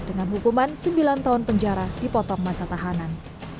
dengan hukuman sembilan tahun penjara dipotong masa tahanan